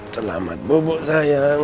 selamat bubuk sayang